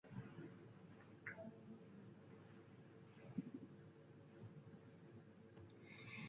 See also Cornsay Colliery.